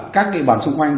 các địa bàn xung quanh